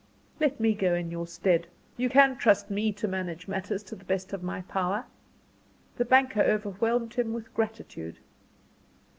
"Let me go in your stead. You can trust me to manage matters to the best of my power?" The banker overwhelmed him with gratitude.